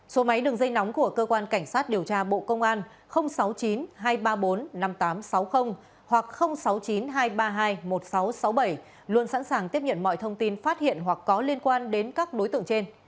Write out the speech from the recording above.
số máy đường dây nóng của cơ quan cảnh sát điều tra bộ công an sáu mươi chín hai trăm ba mươi bốn năm nghìn tám trăm sáu mươi hoặc sáu mươi chín hai trăm ba mươi hai một nghìn sáu trăm sáu mươi bảy luôn sẵn sàng tiếp nhận mọi thông tin phát hiện hoặc có liên quan đến các đối tượng trên